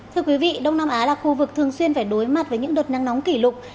thưa quý vị đông nam á là khu vực thường xuyên phải đối mặt với những đợt nắng nóng kỷ lục